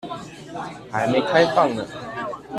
還沒開放呢